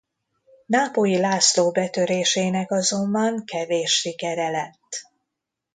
Nápolyi László betörésének azonban kevés sikere lett.